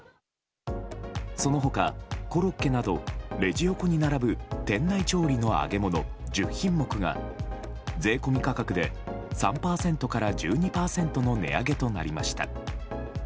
その他、コロッケなどレジ横に並ぶ店内調理の揚げ物１０品目が税込み価格で３％から１２％の値上げとなりました。